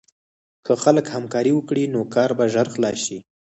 که خلک همکاري وکړي، نو کار به ژر خلاص شي.